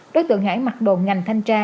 đối tượng hải mặc đồn ngành thanh tra